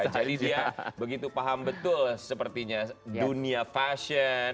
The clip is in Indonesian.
jadi dia begitu paham betul sepertinya dunia fashion